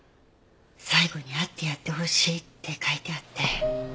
「最後に会ってやってほしい」って書いてあって。